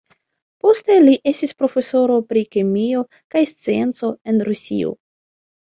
Poste li estis profesoro pri kemio kaj scienco en Rusio.